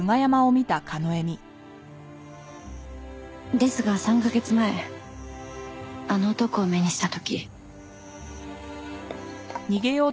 ですが３カ月前あの男を目にした時。